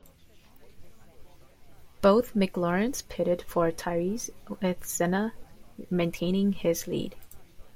Both McLarens pitted for tyres with Senna maintaining his lead.